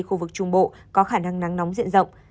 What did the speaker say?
khu vực trung bộ có khả năng nắng nóng diện rộng